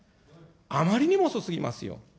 あまりにも遅すぎますよ。